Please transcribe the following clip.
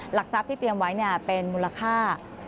หลักทรัพย์ที่เตรียมไว้เป็นมูลค่า